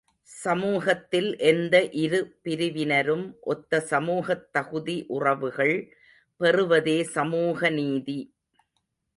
சமூகத்தில் எந்த இரு பிரிவினரும் ஒத்த சமூகத் தகுதி உறவுகள் பெறுவதே சமூக நீதி.